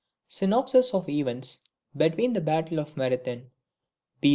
SYNOPSIS OF EVENTS BETWEEN THE BATTLE OF MARATHON, B.